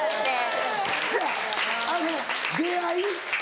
違うあの出会い